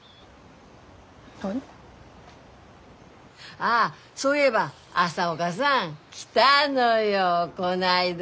ああそういえば朝岡さん来たのよこないだ。